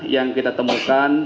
yang kita temukan